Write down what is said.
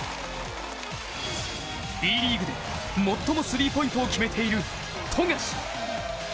Ｂリーグで最もスリーポイントを決めている富樫。